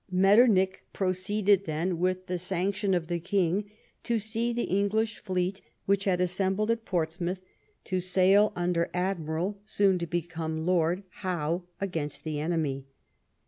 Metternich proceeded then with the sanction of the King, to see the English fleet which had assembled at Ports mouth to sail, under Admiral (soon to become Lord) Howe, against the enemy.